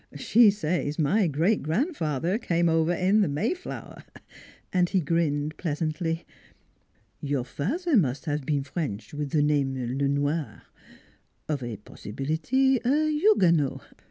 She says my great grandfather came over in the * May flower.' ' And he grinned pleasantly. " Your father must have been French, with the name Le Noir of a possibility a Huguenot.